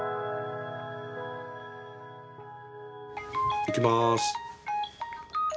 いきます。